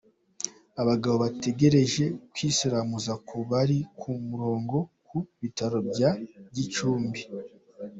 Abagabo bategereje kwisilamuza ku bari ku murongo ku bitaro bya Gicumbi.